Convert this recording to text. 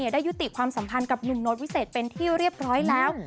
ได้ยุติความสัมพันธ์กับหนุ่มโน้ตวิเศษเป็นที่เรียบร้อยแล้ว